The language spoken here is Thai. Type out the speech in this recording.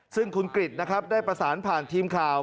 ซึ่งคุณกริจนะครับได้ประสานผ่านทีมข่าว